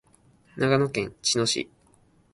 長野県茅野市